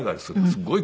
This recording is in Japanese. そうですか。